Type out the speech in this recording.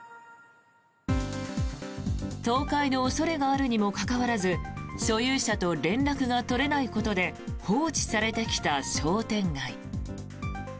倒壊の恐れがあるにもかかわらず所有者と連絡が取れないことで放置されてきた商店街。